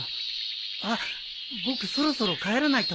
あっ僕そろそろ帰らないと。